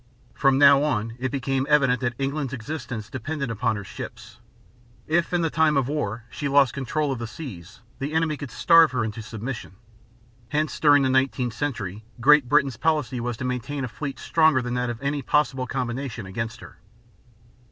From now on it became evident that England's existence depended upon her ships. If in time of war she lost control of the seas the enemy could starve her into submission. Hence during the nineteenth century Great Britain's policy was to maintain a fleet stronger than that of any possible combination against her.